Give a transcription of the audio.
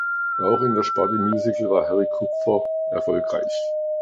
Auch in der Sparte Musical war Harry Kupfer erfolgreich.